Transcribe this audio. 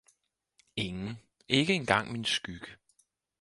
Ingen, ikke engang min skygge